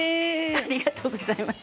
ありがとうございます。